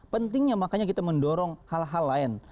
pentingnya makanya kita mendorong hal hal lain